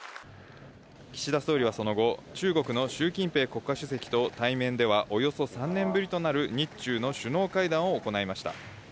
岸田総理はその後、中国の習近平国家主席と、対面ではおよそ３年ぶりとなる日中の首脳会談を行いました。